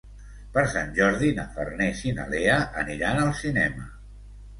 Per Sant Jordi na Farners i na Lea aniran al cinema.